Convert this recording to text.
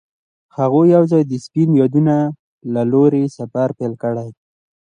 هغوی یوځای د سپین یادونه له لارې سفر پیل کړ.